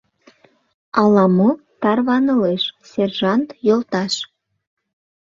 — Ала-мо тарванылеш, сержант йолташ!